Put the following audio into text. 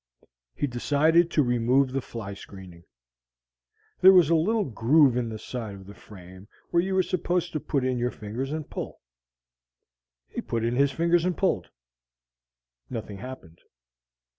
He decided to remove the fly screening. There was a little groove in the side of the frame where you were supposed to put in your fingers and pull. He put in his fingers and pulled. Nothing happened.